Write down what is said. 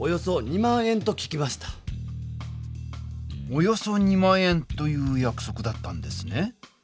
およそ２万円というやくそくだったんですね。